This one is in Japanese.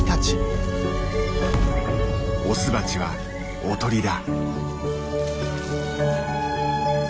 オスバチはおとりだ。